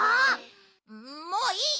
もういい！